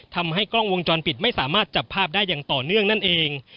ทำให้กล้องวงจรปิดไม่สามารถจับภาพได้อย่างต่อเนื่องนั่นเอง